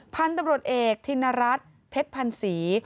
พันธุ์ตำรวจเอกธินรัฐเพชรพันศรี